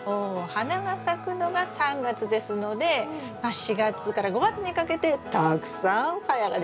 花が咲くのが３月ですのでまあ４月から５月にかけてたくさんサヤができますよ。